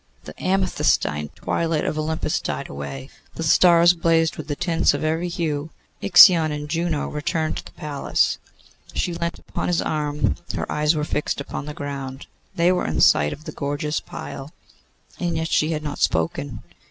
The amethystine twilight of Olympus died away. The stars blazed with tints of every hue. Ixion and Juno returned to the palace. She leant upon his arm; her eyes were fixed upon the ground; they were in sight of the gorgeous pile, and yet she had not spoken.